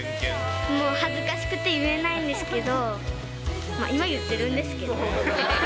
もう恥ずかしくて言えないんですけど、まあ、今言ってるんですけど。